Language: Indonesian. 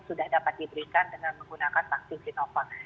sudah dapat diberikan dengan menggunakan vaksin sinovac